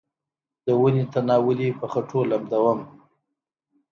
د ونې تنه ولې په خټو لمدوم؟